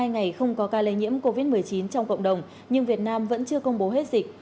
một mươi ngày không có ca lây nhiễm covid một mươi chín trong cộng đồng nhưng việt nam vẫn chưa công bố hết dịch